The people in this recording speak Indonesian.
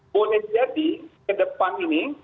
boleh jadi ke depan ini